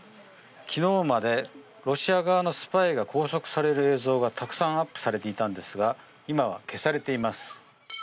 昨日まで、ロシア側のスパイが拘束される映像がたくさんアップされていたんですが今は消されています。